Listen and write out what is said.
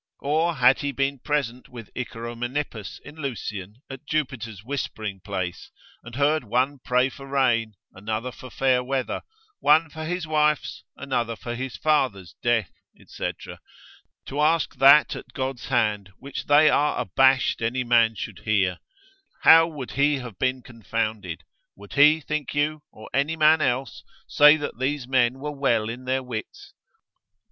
Or had he been present with Icaromenippus in Lucian at Jupiter's whispering place, and heard one pray for rain, another for fair weather; one for his wife's, another for his father's death, &c. to ask that at God's hand which they are abashed any man should hear: How would he have been confounded? Would he, think you, or any man else, say that these men were well in their wits?